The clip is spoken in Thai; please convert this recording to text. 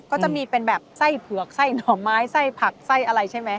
ก็จะมีเป็นแบบไส้เผือกไส้หน่อไม้ไส้ผักไส้อะไรใช่ไหม